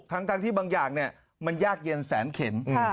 ทั้งที่บางอย่างมันยากเย็นแสนเข็น